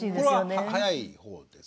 これは早い方です？